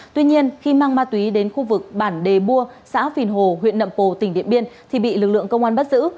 tuy nhiên khi mang ma túy đến khu vực bản đề bua xã phìn hồ huyện nậm pồ tỉnh điện biên thì bị lực lượng công an bắt giữ